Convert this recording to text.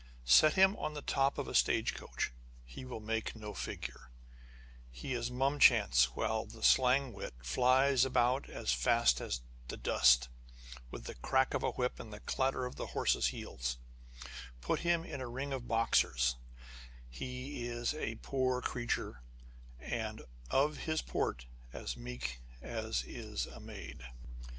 Set him on the top of a stage coach, he will make no figure ; he is mum chance, while the slang wit flies about as fast as the dust, with the crack of the whip and the clatter of the horses' heels : put him in a ring of boxers, he is a poor creature â€" And of his port as meek as is a maid.